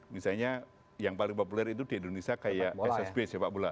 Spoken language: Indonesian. misalnya yang paling populer itu di indonesia kayak ssb sepak bola